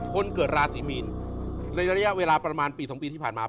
คนเกิดราศีมีนในระยะเวลาประมาณปี๒ปีที่ผ่านมา